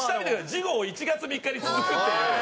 「次号１月３日につづく」っていう。